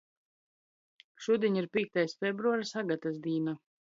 Šudiņ ir pīktais februars — Agatys dīna.